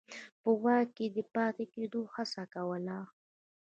په واک کې د پاتې کېدو هڅه کوله.